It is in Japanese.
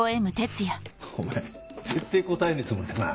お前ぜってぇ答えねえつもりだな。